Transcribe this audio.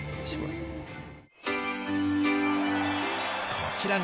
こちらが